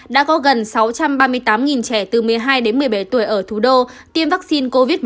đã có gần sáu trăm ba mươi tám trẻ từ một mươi hai đến một mươi bảy tuổi ở thủ đô tiêm vaccine covid một mươi chín